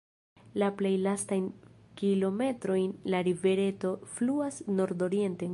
La plej lastajn kilometrojn la rivereto fluas nordorienten.